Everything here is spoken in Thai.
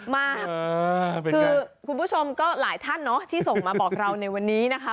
มาคือคุณผู้ชมก็หลายท่านเนาะที่ส่งมาบอกเราในวันนี้นะคะ